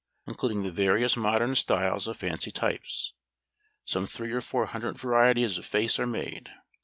Including the various modern styles of fancy types, some three or four hundred varieties of face are made.